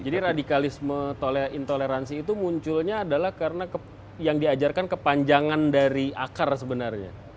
jadi radikalisme intoleransi itu munculnya adalah karena yang diajarkan kepanjangan dari akar sebenarnya